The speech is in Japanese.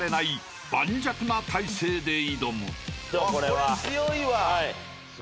これ強いわ。